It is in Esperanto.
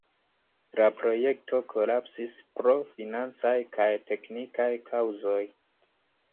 La projekto kolapsis pro financaj kaj teknikaj kaŭzoj.